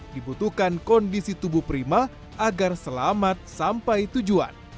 dibutuhkan kondisi tubuh prima agar selamat sampai tujuan